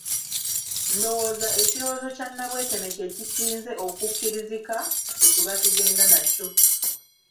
Ndowooza ekirowoozo kya Nabweteme kye kisinze okukkirizika kye tuba tugenda nakyo.